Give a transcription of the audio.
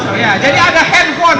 jadi ada handphone